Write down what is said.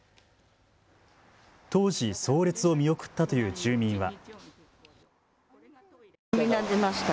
当時、葬列を見送ったという住民は。